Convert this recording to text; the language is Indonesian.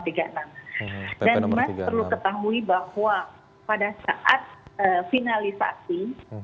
dan mas perlu ketahui bahwa pada saat finalisasi